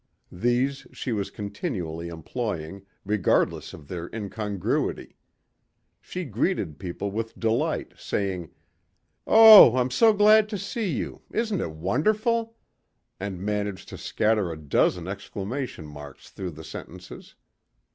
These she was continually employing, regardless of their incongruity. She greeted people with delight, saying. "Oh! I'm so glad to see you! Isn't it wonderful?" And managed to scatter a dozen exclamation marks through the sentences.